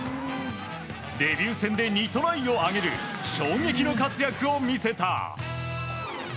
デビュー戦で２トライを挙げる衝撃の活躍を見せた！